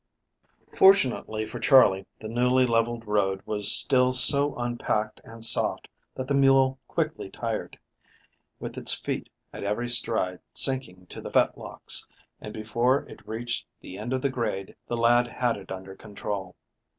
FORTUNATELY for Charley the newly leveled road was still so unpacked and soft that the mule quickly tired, with its feet at every stride sinking to the fetlocks, and, before it reached the end of the grade, the lad had it under control.